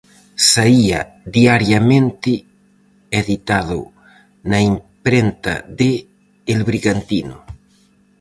Saía diariamente, editado na imprenta de El Brigantino.